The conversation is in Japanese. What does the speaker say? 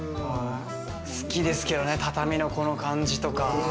好きですけどね、畳のこの感じとか。